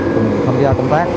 cùng tham gia công tác